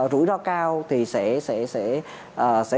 rủi ro cao thì sẽ